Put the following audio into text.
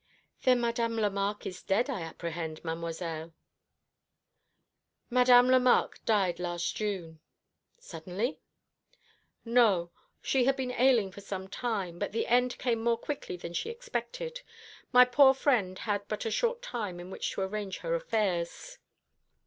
"Then Madame Lemarque is dead, I apprehend, Mademoiselle?" "Madame Lemarque died last June." "Suddenly?" "No, she had been ailing for some time. But the end came more quickly than she expected. My poor friend had but a short time in which to arrange her affairs."